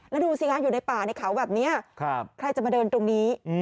แล้วดูสิคะอยู่ในป่าในเขาแบบนี้ใครจะมาเดินตรงนี้